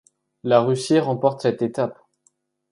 La Russie remporte cette étape.